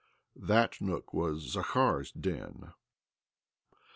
That nook was Zakhar's den.